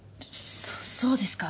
そそうですか？